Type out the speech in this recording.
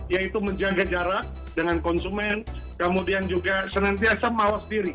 yaitu menjaga jarak dengan konsumen kemudian juga senantiasa mawas diri